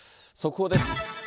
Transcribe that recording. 速報です。